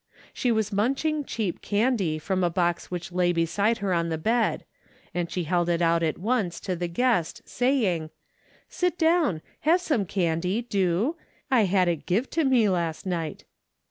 She was munching cheap candy from a box which lay beside her on. the bed, and she held it out at once to the guest saying :" Sit down. Have some candy, do. I had it give to me last night."